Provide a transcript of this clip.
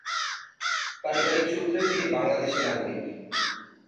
পারিবারিক সূত্রে তিনি বাংলাদেশী নাগরিক।